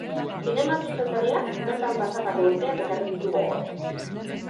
Zinema zuzendariak bertan pasatako urteak ekarri ditu gogora.